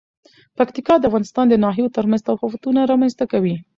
پکتیکا د افغانستان د ناحیو ترمنځ تفاوتونه رامنځ ته کوي.